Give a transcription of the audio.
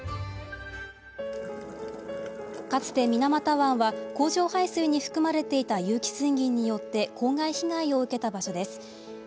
かつて水俣湾は、工場排水に含まれていた有機水銀によって公害被害を受けた場所です。